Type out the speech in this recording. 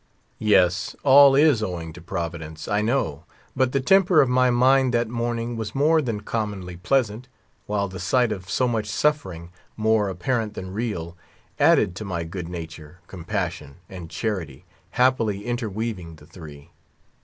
"Yes, all is owing to Providence, I know: but the temper of my mind that morning was more than commonly pleasant, while the sight of so much suffering, more apparent than real, added to my good nature, compassion, and charity, happily interweaving the three.